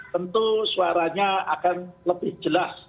tentu suaranya akan lebih jelas